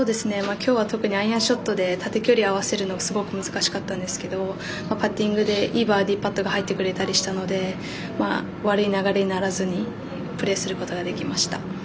きょうは特にアイアンショットで縦距離合わせるのが、すごく難しかったんですけどパッティングでいいバーディーパットが入ってくれたりしたので悪い流れにならずにプレーすることができました。